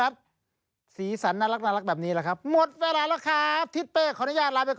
อย่างนี้ค่ะแปลกดีนะครับ